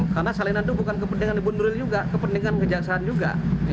karena salinan itu bukan kepentingan ibu nuril juga kepentingan kejaksaan juga